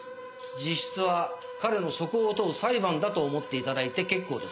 実質は彼の素行を問う裁判だと思って頂いて結構です。